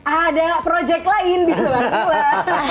ada project lain bisa banget